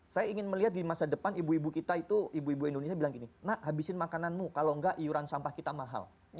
saya ingin melihat di masa depan ibu ibu kita itu ibu ibu indonesia bilang gini nak habisin makananmu kalau enggak iuran sampah kita mahal